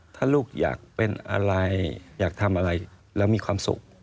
ถ้าลูกอยากเป็นอะไรอยากทำอะไรแล้วมีความสุข